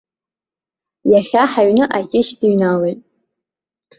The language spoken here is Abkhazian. Иахьа ҳаҩны аӷьыч дыҩналеит.